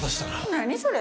何それ。